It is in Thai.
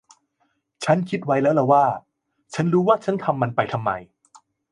ฉันคิดไว้แล้วแหละว่า ฉันรู้ว่าฉันทำมันไปทำไม